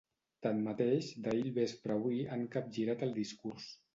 Tanmateix, d’ahir al vespre a avui han capgirat el discurs.